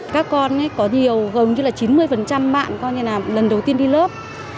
các con có nhiều gồm như là chín mươi bạn lần đầu tiên đi lớp